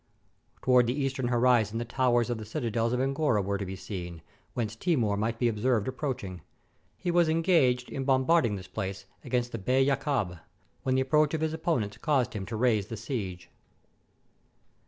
Towards the eastern horizon the towers of the citadels of Angora were to be seen, whence Timur might be observed approaching. He was engaged in bombarding this place against the Bey Yakab, when the approach of his opponent caused him to raise the siege.